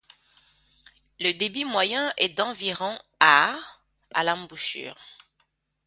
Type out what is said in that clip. Le débit moyen est d'environ à à l'embouchure.